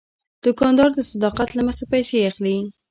دوکاندار د صداقت له مخې پیسې اخلي.